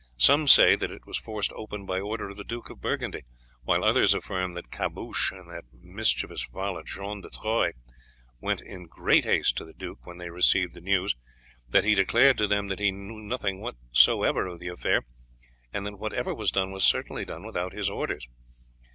Some say that it was forced open by order of the Duke of Burgundy, while others affirm that Caboche, and that mischievous varlet John de Troyes, went in great haste to the duke when they received the news, that he declared to them that he knew nothing whatever of the affair, and that whatever was done was certainly done without his orders.